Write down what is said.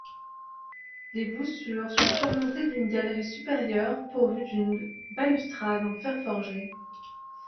Les voussures sont surmontées d'une galerie supérieure pourvue d'une balustrade en fer forgé.